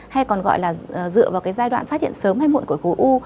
hay còn gọi là dựa vào cái giai đoạn phát hiện sớm hay muộn của khối u